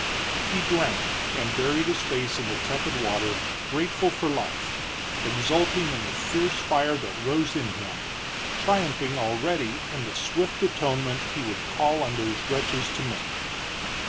He drank, and buried his face in the tepid water, grateful for life, exulting in the fierce fire that rose in him, triumphing already in the swift atonement he would call on those wretches to make.